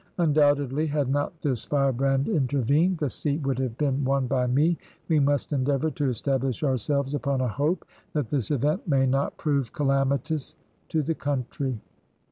Undoubtedly, had not this fireband intervened, the seat would have been won by me. We must endeavour to establish ourselves upon a hope that this event may not prove calamitous to the country."